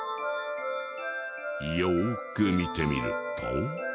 よく見てみると。